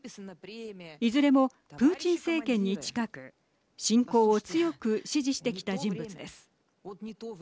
いずれもプーチン政権に近く侵攻を強く支持してきた人物です。